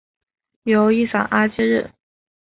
由伊桑阿接任。